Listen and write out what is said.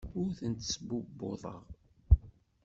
Ur tent-sbubbuḍeɣ.